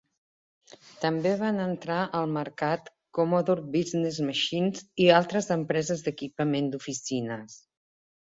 També van entrar al mercat Commodore Business Machines i altres empreses d'equipament d'oficines.